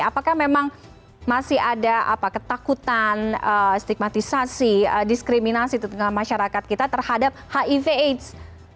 apakah memang masih ada ketakutan stigmatisasi diskriminasi di tengah masyarakat kita terhadap hiv aids